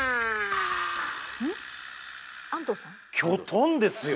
キョトンですよ。